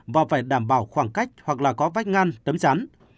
và phải đảm bảo khoảng cách hoặc là có vách ngăn tấm chắn